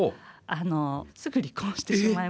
あのすぐ離婚してしまいまして。